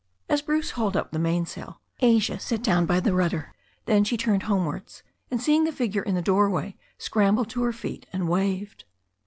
As Bruce hauled up the mainsail, Asia sat down by the rudder ; then she turned homewards, and seeing the figure in the doorway, scrambled to her feet, and waved.